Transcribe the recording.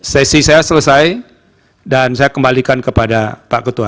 sesi saya selesai dan saya kembalikan kepada pak ketua